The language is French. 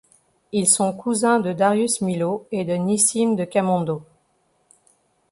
Ils sont cousins de Darius Milhaud et de Nissim de Camondo.